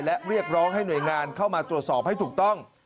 และเรียกร้องให้หน่วยงานเข้ามาตรวจสอบให้ถูกต้อง